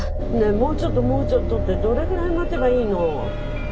もうちょっともうちょっとってどれぐらい待てばいいの？